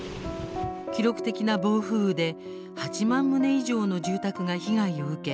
記録的な暴風雨で８万棟以上の住宅が被害を受け